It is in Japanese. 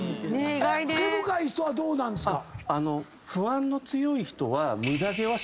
毛深い人はどうなんですか？